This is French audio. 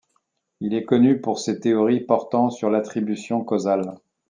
Il est connu pour ses théories portant sur l'attribution causale.